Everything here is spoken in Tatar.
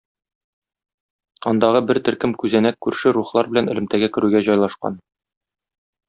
Андагы бер төркем күзәнәк күрше рухлар белән элемтәгә керүгә җайлашкан.